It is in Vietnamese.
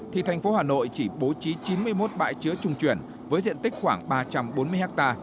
thì thành phố hà nội chỉ bố trí chín mươi một bãi chứa trung chuyển với diện tích khoảng ba trăm bốn mươi ha